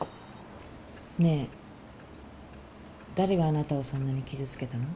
ねえ誰があなたをそんなに傷つけたの？